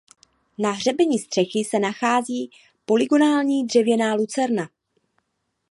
Na hřebeni střechy se nachází polygonální dřevěná lucerna.